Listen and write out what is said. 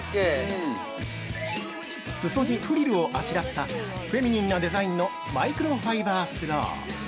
◆裾にフリルをあしらったフェミニンなデザインのマイクロファイバースロー！